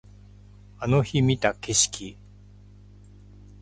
あの日見た景色